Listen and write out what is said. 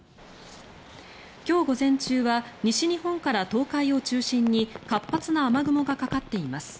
今日午前中は西日本から東海を中心に活発な雨雲がかかっています。